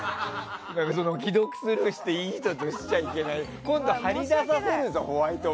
既読スルーしていい人としちゃいけない人と。